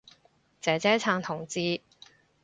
姐姐撐同志